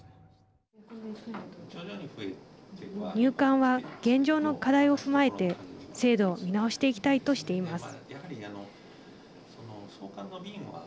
入管は、現状の課題を踏まえて制度を見直していきたいとしています。